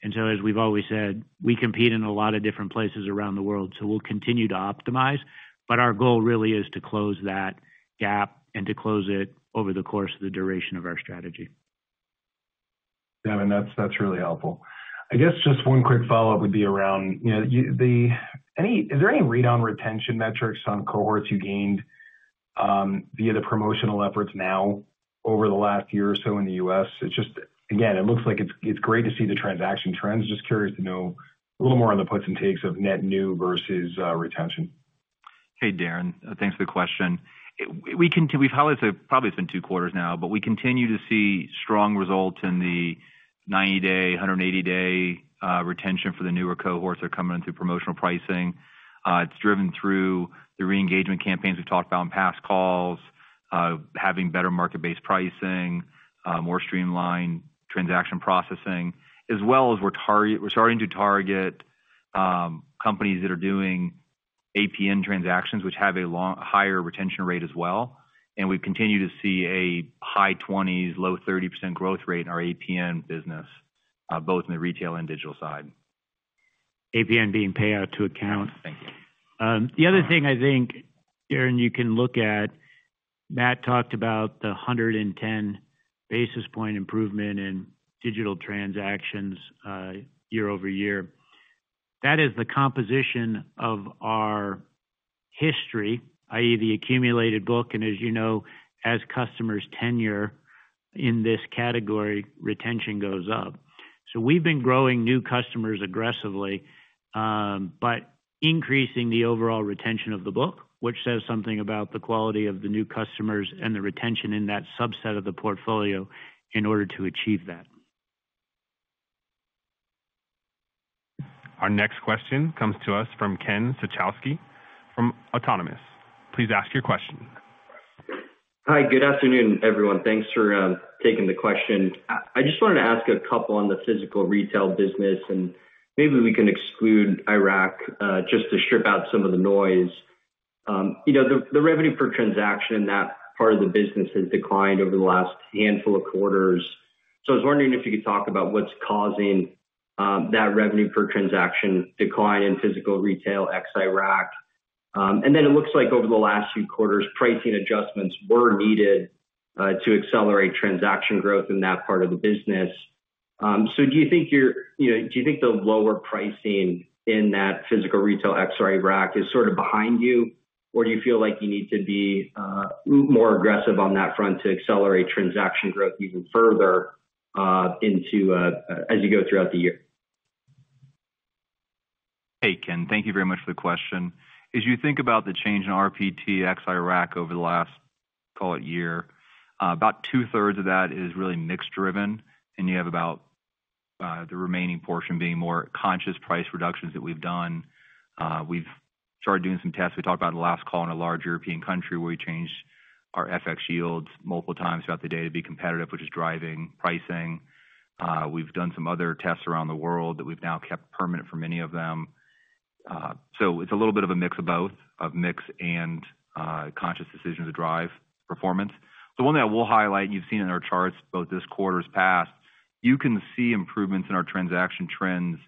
Speaker 3: And so as we've always said, we compete in a lot of different places around the world, so we'll continue to optimize, but our goal really is to close that gap and to close it over the course of the duration of our strategy.
Speaker 9: Devin, that's, that's really helpful. I guess just one quick follow-up would be around, you know, any read on retention metrics on cohorts you gained via the promotional efforts now over the last year or so in the U.S.? It's just, again, it looks like it's, it's great to see the transaction trends. Just curious to know a little more on the puts and takes of net new versus retention.
Speaker 4: Hey, Darren, thanks for the question. We've probably, it's probably been two quarters now, but we continue to see strong results in the 90-day, 180-day retention for the newer cohorts that are coming in through promotional pricing. It's driven through the re-engagement campaigns we've talked about on past calls, having better market-based pricing, more streamlined transaction processing, as well as we're starting to target companies that are doing APN transactions, which have a higher retention rate as well. And we continue to see a high 20s-low 30% growth rate in our APN business, both in the retail and digital side.
Speaker 3: APN being payout to account.
Speaker 9: Thank you.
Speaker 3: The other thing I think, Darrin, you can look at, Matt talked about the 110 basis point improvement in digital transactions, year-over-year. That is the composition of our history, i.e., the accumulated book, and as you know, as customers tenure in this category, retention goes up. So we've been growing new customers aggressively, but increasing the overall retention of the book, which says something about the quality of the new customers and the retention in that subset of the portfolio in order to achieve that.
Speaker 1: Our next question comes to us from Ken Suchoski from Autonomous. Please ask your question.
Speaker 10: Hi, good afternoon, everyone. Thanks for taking the question. I just wanted to ask a couple on the physical retail business, and maybe we can exclude Iraq, just to strip out some of the noise. You know, the revenue per transaction in that part of the business has declined over the last handful of quarters. So I was wondering if you could talk about what's causing that revenue per transaction decline in physical retail ex-Iraq. And then it looks like over the last few quarters, pricing adjustments were needed to accelerate transaction growth in that part of the business. So, do you think you're, you know, do you think the lower pricing in that physical retail ex-Iraq is sort of behind you, or do you feel like you need to be more aggressive on that front to accelerate transaction growth even further into as you go throughout the year?
Speaker 4: Hey, Ken, thank you very much for the question. As you think about the change in RPT ex-Iraq over the last, call it year. About two-thirds of that is really mix-driven, and you have about the remaining portion being more conscious price reductions that we've done. We've started doing some tests. We talked about in the last call in a large European country, where we changed our FX yields multiple times throughout the day to be competitive, which is driving pricing. We've done some other tests around the world that we've now kept permanent for many of them. So it's a little bit of a mix of both, of mix and conscious decisions to drive performance. The one that I will highlight, and you've seen in our charts, both this quarter's past, you can see improvements in our transaction trends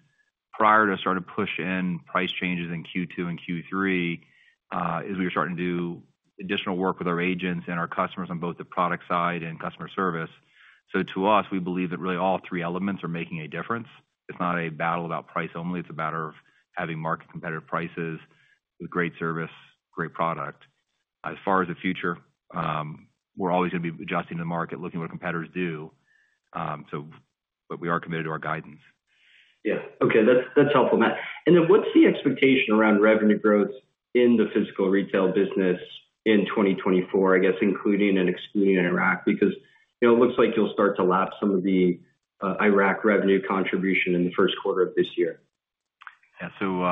Speaker 4: prior to sort of push in price changes in Q2 and Q3, as we were starting to do additional work with our agents and our customers on both the product side and customer service. So to us, we believe that really all three elements are making a difference. It's not a battle about price only. It's a matter of having market-competitive prices with great service, great product. As far as the future, we're always going to be adjusting the market, looking at what competitors do, so but we are committed to our guidance.
Speaker 10: Yeah. Okay, that's, that's helpful, Matt. And then what's the expectation around revenue growth in the physical retail business in 2024, I guess, including and excluding Iraq? Because, you know, it looks like you'll start to lap some of the Iraq revenue contribution in the first quarter of this year.
Speaker 4: Yeah. So,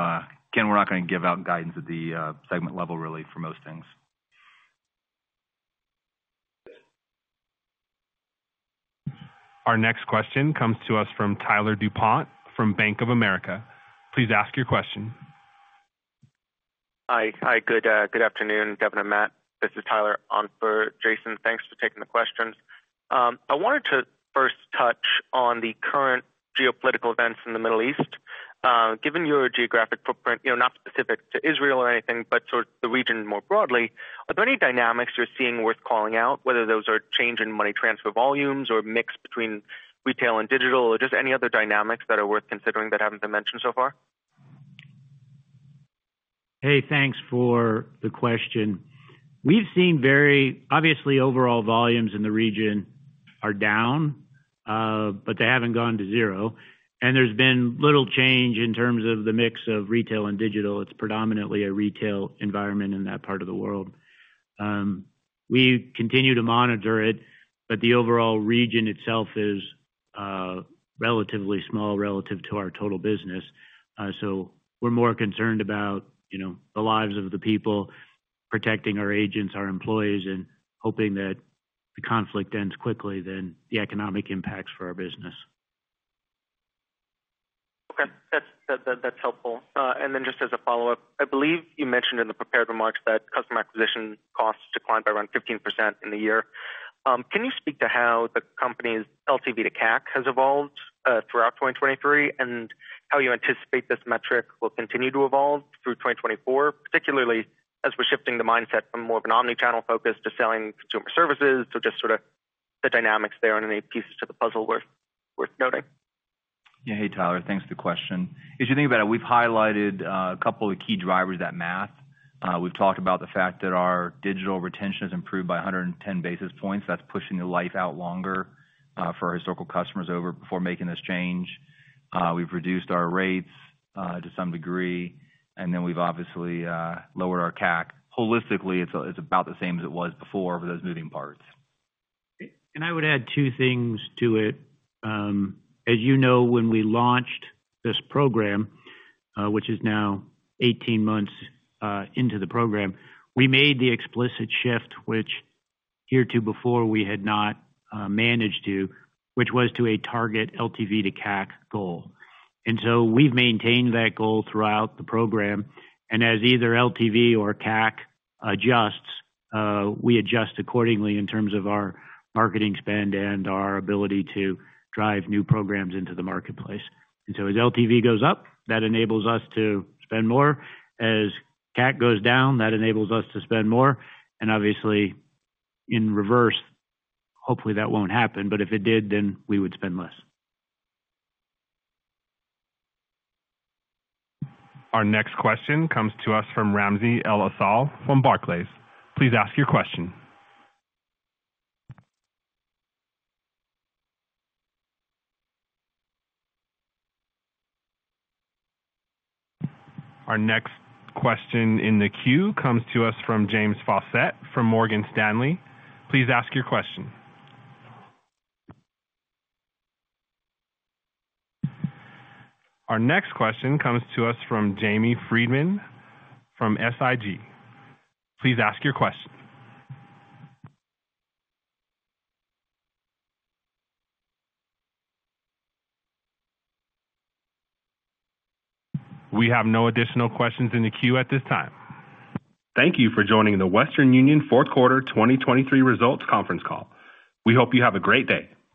Speaker 4: again, we're not going to give out guidance at the segment level really for most things.
Speaker 1: Our next question comes to us from Tyler DuPont from Bank of America. Please ask your question.
Speaker 11: Hi. Hi, good, good afternoon, Devin and Matt. This is Tyler DuPont. Jason, thanks for taking the questions. I wanted to first touch on the current geopolitical events in the Middle East. Given your geographic footprint, you know, not specific to Israel or anything, but sort of the region more broadly, are there any dynamics you're seeing worth calling out, whether those are change in money transfer volumes or mix between retail and digital, or just any other dynamics that are worth considering that haven't been mentioned so far?
Speaker 3: Hey, thanks for the question. We've seen... Obviously, overall volumes in the region are down, but they haven't gone to zero, and there's been little change in terms of the mix of retail and digital. It's predominantly a retail environment in that part of the world. We continue to monitor it, but the overall region itself is, relatively small relative to our total business. So we're more concerned about, you know, the lives of the people, protecting our agents, our employees, and hoping that the conflict ends quickly than the economic impacts for our business.
Speaker 11: Okay. That's, that's helpful. And then just as a follow-up, I believe you mentioned in the prepared remarks that customer acquisition costs declined by around 15% in the year. Can you speak to how the company's LTV to CAC has evolved throughout 2023, and how you anticipate this metric will continue to evolve through 2024, particularly as we're shifting the mindset from more of an omni-channel focus to selling consumer services? So just sort of the dynamics there and any pieces to the puzzle worth, worth noting.
Speaker 4: Yeah. Hey, Tyler, thanks for the question. If you think about it, we've highlighted a couple of key drivers of that math. We've talked about the fact that our digital retention has improved by 110 basis points. That's pushing the life out longer for our historical customers over before making this change. We've reduced our rates to some degree, and then we've obviously lowered our CAC. Holistically, it's about the same as it was before for those moving parts.
Speaker 3: And I would add two things to it. As you know, when we launched this program, which is now 18 months into the program, we made the explicit shift, which heretofore we had not managed to, which was to a target LTV to CAC goal. And so we've maintained that goal throughout the program, and as either LTV or CAC adjusts, we adjust accordingly in terms of our marketing spend and our ability to drive new programs into the marketplace. And so as LTV goes up, that enables us to spend more. As CAC goes down, that enables us to spend more, and obviously in reverse, hopefully, that won't happen, but if it did, then we would spend less.
Speaker 1: Our next question comes to us from Ramsey El-Assal from Barclays. Please ask your question. Our next question in the queue comes to us from James Faucette, from Morgan Stanley. Please ask your question. Our next question comes to us from Jamie Friedman from SIG. Please ask your question. We have no additional questions in the queue at this time. Thank you for joining the Western Union fourth quarter 2023 results conference call. We hope you have a great day.